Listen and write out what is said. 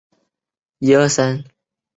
圣伯多禄教区教堂位于卢比安纳市中心。